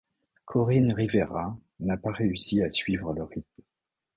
Coryn Rivera n'a pas réussi à suivre le rythme.